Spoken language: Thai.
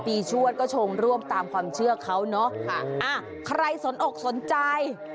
ชวดก็ชงร่วมตามความเชื่อเขาเนอะค่ะอ่าใครสนอกสนใจ